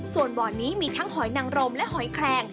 ส่วนบ่อนี้มีทั้งหอยนังรมและหอยแคลง